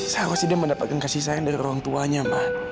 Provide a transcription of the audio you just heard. saat itu dia mendapatkan kasih sayang dari orang tuanya ma